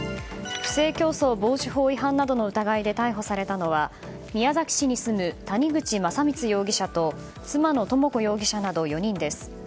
不正競争防止法違反などの疑いで逮捕されたのは宮崎市に住む谷口正光容疑者と妻の智子容疑者など４人です。